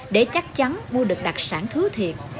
để chắc chắn mua được đặc sản thứ thiệt